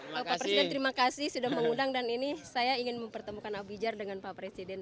bapak presiden terima kasih sudah mengundang dan ini saya ingin mempertemukan abijar dengan pak presiden